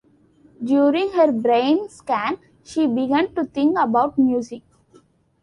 During her brain scan, she began to think about music.